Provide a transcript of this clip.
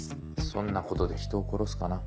そんなことで人を殺すかな？